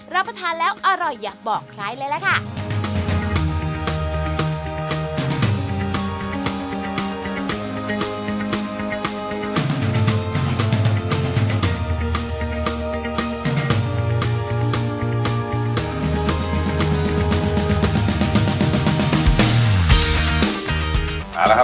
รับประทานแล้วอร่อยอย่าบอกใครเลยล่ะค่ะ